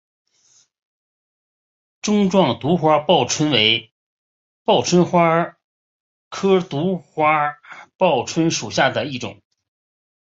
钟状独花报春为报春花科独花报春属下的一个种。